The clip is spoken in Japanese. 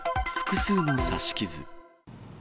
複数の刺し傷。